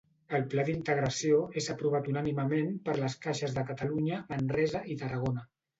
El pla d'integració és aprovat unànimement per les caixes de Catalunya, Manresa i Tarragona.